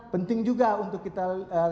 penting juga untuk kita